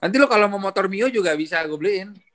nanti lo kalau mau motor mio juga bisa gue beliin